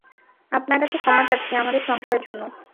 আপনার কাছে ক্ষমা চাচ্ছি আমাদের সংশয়ের জন্য!